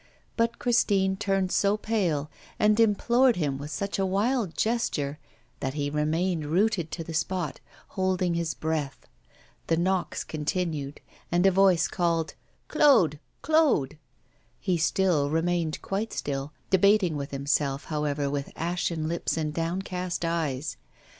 But Christine turned so pale, and implored him with such a wild gesture, that he remained rooted to the spot, holding his breath. The knocks continued, and a voice called, 'Claude, Claude!' He still remained quite still, debating with himself, however, with ashen lips and downcast eyes.